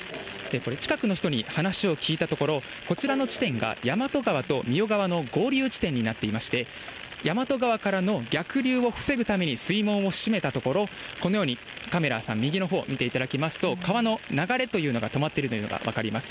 これ、近くに人に話を聞いたところ、こちらの地点が大和川とみよ川の合流地点になっていまして、大和川からの逆流を防ぐために水門を閉めたところ、このようにカメラさん、右のほう、見ていただきますと、川の流れというのが止まってるのが分かります。